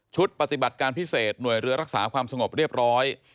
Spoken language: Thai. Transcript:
ปฏิบัติการพิเศษหน่วยเรือรักษาความสงบเรียบร้อย